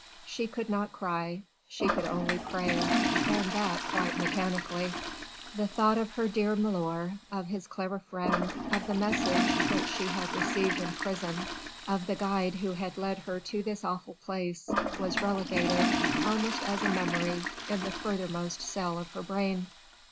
She could not cry: she could only pray, and that quite mechanically. The thought of her dear milor, of his clever friend, of the message which she had received in prison, of the guide who had led her to this awful place, was relegated almost as a memory in the furthermost cell of her brain.